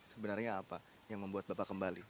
sebenarnya apa yang membuat bapak kembali